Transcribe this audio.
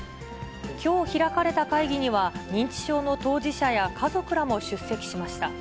きょう開かれた会議には、認知症の当事者や家族らも出席しました。